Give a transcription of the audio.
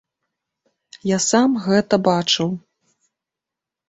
Я сам гэта бачыў!